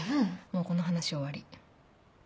もうこの話は終わり。